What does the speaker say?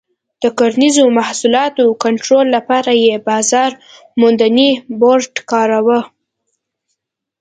د کرنیزو محصولاتو کنټرول لپاره یې بازار موندنې بورډ کاراوه.